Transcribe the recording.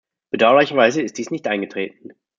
Bedauerlicherweise ist dies nicht eingetreten.